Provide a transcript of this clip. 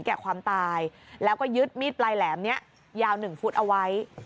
แก่ความตายแล้วก็ยึดมีดปลายแหลมนี้ยาว๑ฟุตเอาไว้